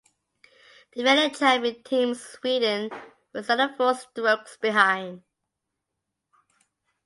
Defending champion team Sweden was another four strokes behind.